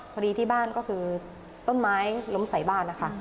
พอดีที่บ้านก็คือต้นไม้ล้มใส่บ้านนะคะ